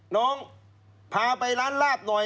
น้องพาไปร้านลาบหน่อย